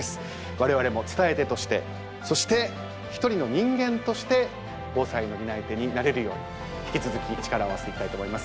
我々も伝え手としてそして一人の人間として防災の担い手になれるように引き続き力を合わせていきたいと思います。